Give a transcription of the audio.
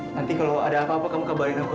nanti kalau ada apa apa kamu kabarin aku